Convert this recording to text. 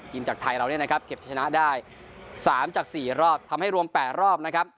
จากไทยเราเนี่ยนะครับเก็บชนะได้๓จาก๔รอบทำให้รวม๘รอบนะครับ